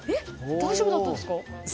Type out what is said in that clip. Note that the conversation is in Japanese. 大丈夫だったんですか？